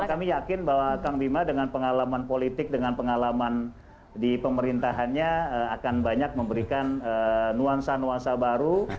kami yakin bahwa kang bima dengan pengalaman politik dengan pengalaman di pemerintahannya akan banyak memberikan nuansa nuansa baru